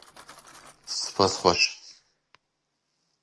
Spas xweş!